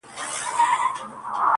• چاره څه ده بس زموږ دغه زندګي ده ,